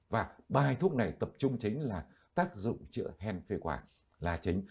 và bài thuốc này tập trung chính là tác dụng chữa hen phế khoản là chính